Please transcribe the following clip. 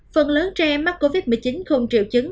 phần lớn trẻ mắc covid một mươi chín không triệu chứng